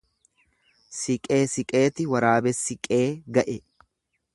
Siqee siqeeti waraabessi qee ga'e.